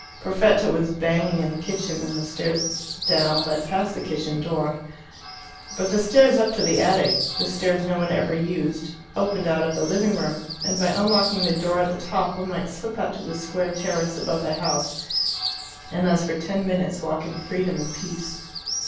Perfetta was banging in the kitchen, and the stairs down led past the kitchen door. But the stairs up to the attic the stairs no one ever used opened out of the living room, and by unlocking the door at the top one might slip out to the square terrace above the house, and thus for ten minutes walk in freedom and peace.